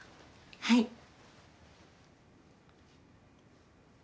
はい。